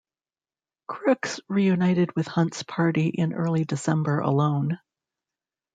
Crooks reunited with Hunt's party in early December alone.